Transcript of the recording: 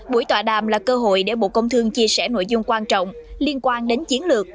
buổi tọa đàm là cơ hội để bộ công thương chia sẻ nội dung quan trọng liên quan đến chiến lược